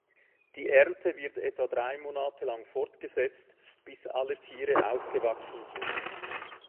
Die Ernte wird etwa drei Monate lang fortgesetzt, bis alle Tiere ausgewachsen sind.